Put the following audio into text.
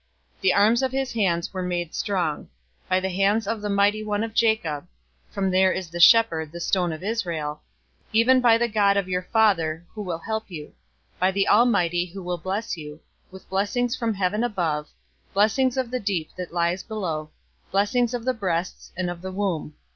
The arms of his hands were made strong, by the hands of the Mighty One of Jacob, (from there is the shepherd, the stone of Israel), 049:025 even by the God of your father, who will help you; by the Almighty, who will bless you, with blessings of heaven above, blessings of the deep that lies below, blessings of the breasts, and of the womb.